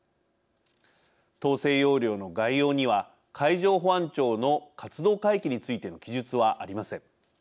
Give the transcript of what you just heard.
統制要領の概要には海上保安庁の活動海域についての記述はありません。